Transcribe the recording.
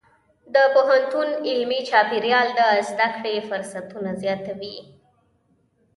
د پوهنتون علمي چاپېریال د زده کړې فرصتونه زیاتوي.